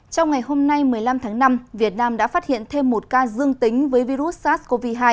trong ngày hôm nay một mươi năm tháng năm việt nam đã phát hiện thêm một ca dương tính với virus sars cov hai